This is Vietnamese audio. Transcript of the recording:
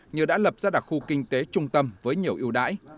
như đã lập ra đặc khu kinh tế trung tâm với nhiều yêu đại